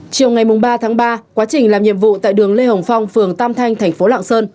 chiều ngày ba tháng ba quá trình làm nhiệm vụ tại đường lê hồng phong phường tam thanh thành phố lạng sơn